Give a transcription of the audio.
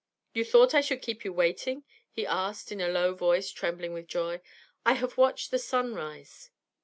'You thought I should keep you waiting?' he asked in a low voice trembling with joy. 'I have watched the sun rise.'